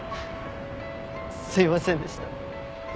すいませんでした。